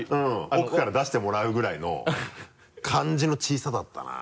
奥から出してもらうぐらいの感じの小ささだったな。